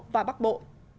và bắc bộ